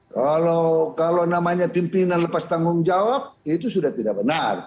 kalau namanya pimpinan lepas tanggung jawab itu sudah tidak benar